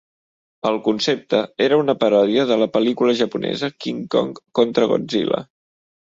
El concepte era una paròdia de la pel·lícula japonesa, King Kong contra Godzilla.